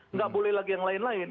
nggak boleh lagi yang lain lain